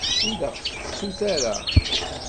Ur aɣ-ttettut ara.